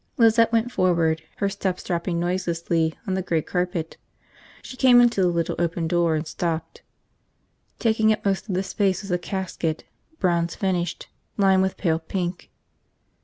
Lizette went forward, her steps dropping noiselessly on the gray carpet. She came into the little open door, and stopped. Taking up most of the space was a casket, bronze finished, lined with pale pink.